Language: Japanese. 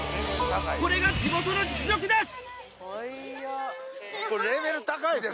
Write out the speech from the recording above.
これが地元の実力です！